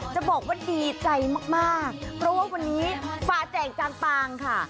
จะบอกว่าดีใจมากเพราะว่าวันนี้ฟ้าแจ่งจางปางค่ะ